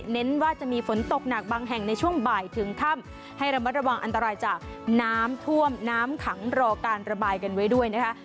ว่าจะมีฝนตกหนักบางแห่งในช่วงบ่ายถึงค่ำให้ระมัดระวังอันตรายจากน้ำท่วมน้ำขังรอการระบายกันไว้ด้วยนะคะ